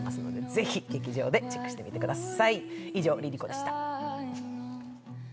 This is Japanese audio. ぜひ劇場でチェックしてみてください。